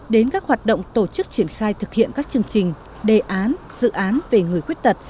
đến các hoạt động tổ chức triển khai thực hiện các chương trình đề án dự án về người khuyết tật